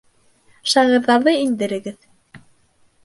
Шағирҙарҙы индерегеҙ.